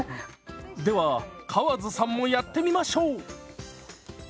では川津さんもやってみましょう！